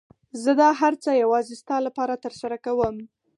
زه دا هر څه يوازې ستا لپاره ترسره کوم.